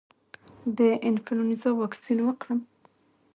د انفلونزا واکسین وکړم؟